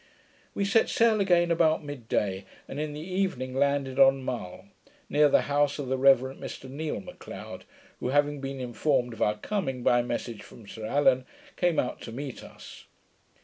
We set sail again about mid day, and in the evening landed on Mull, near the house of the Reverend Mr Neal M'Leod, who having been informed of our coming, by a message from Sir Allan, came out to meet us.